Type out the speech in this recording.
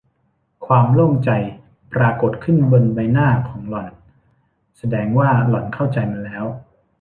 ความโล่งใจปรากฏขึ้นบนใบหน้าของหล่อน แสดงว่าหล่อนเข้าใจมันแล้ว